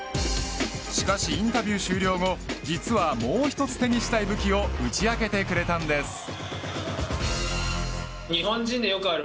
しかし、インタビュー終了後実はもう一つ手にしたい武器を打ち明けてくれたんです。